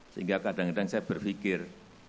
sehingga kadang kadang saya berpikir